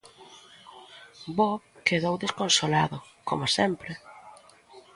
Bob quedou desconsolado, coma sempre.